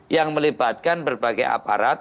yang melibatkan berbagai aparat